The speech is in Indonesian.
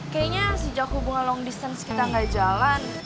kayaknya sejak hubungan long distance kita gak jalan